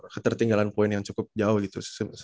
ketertinggalan poin yang cukup jauh gitu